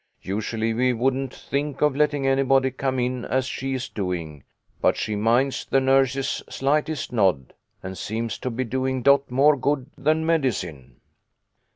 Usually we wouldn't think of letting anybody come in as she is doing, but she minds the nurse's slightest nod, and seems to be doing Dot more good than medicine."